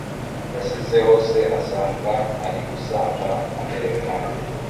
yasizeho se asanga arigusamba amerewe nabi,